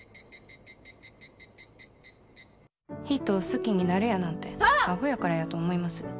人を好きになるやなんてあほやからやと思います。